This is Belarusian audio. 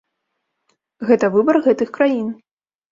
Гэта выбар гэтых краін.